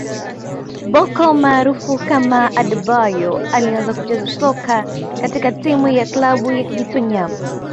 Bocco maarufu kama Adebayor alianza kucheza soka katika timu ya klabu ya Kijitonyama